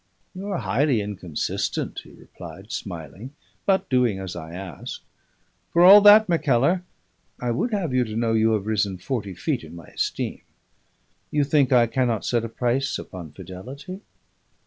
"You are highly inconsistent," he replied, smiling, but doing as I asked. "For all that, Mackellar, I would have you to know you have risen forty feet in my esteem. You think I cannot set a price upon fidelity?